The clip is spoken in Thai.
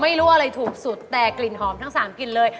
ไม่รู้อะไรถูกสุดแต่กลิ่นหอมทั้ง๓กลิ่นเลย